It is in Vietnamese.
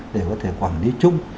để có thể quản lý chung